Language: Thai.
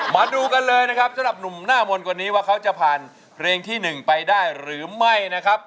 มาดูกันเลยนะครับสำหรับหนุ่มหน้ามนต์คนนี้ว่าเขาจะผ่านเพลงที่๑ไปได้หรือไม่นะครับ